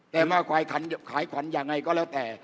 แต่มาขายขวัญยังไงก็แล้วแต่